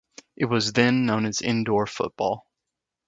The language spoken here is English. It was then known as indoor football.